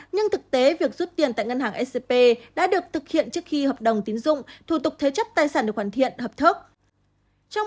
nhưng thực tế việc rút tiền tại ngân hàng scp đã được thực hiện trước khi hợp đồng tiến dụng thủ tục thế chấp tài sản được hoàn thiện hợp thước